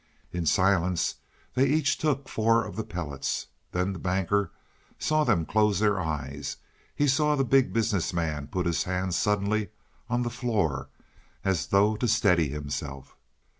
In silence they each took four of the pellets. Then the Banker saw them close their eyes; he saw the Big Business Man put his hands suddenly on the floor as though to steady himself.